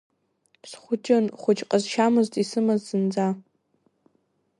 Схәыҷын, хәыҷ ҟазшьамызт исымаз зынӡа…